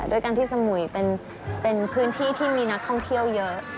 ด้วยการที่สมุยเป็นพื้นที่ที่มีนักท่องเที่ยวเยอะ